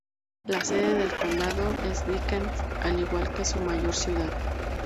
La sede del condado es Dickens, al igual que su mayor ciudad.